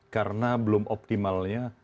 karena belum optimalnya